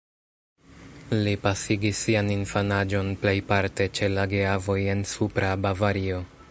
Li pasigis sian infanaĝon plejparte ĉe la geavoj en Supra Bavario.